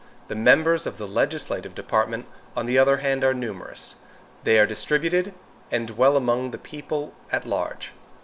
The members of the legislative department, on the other hand, are numerous. They are distributed and dwell among the people at large.